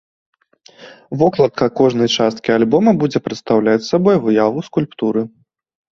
Вокладка кожнай часткі альбома будзе прадстаўляць сабой выяву скульптуры.